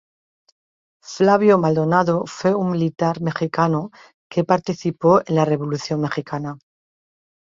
Flavio Maldonado fue un militar mexicano que participó en la Revolución mexicana.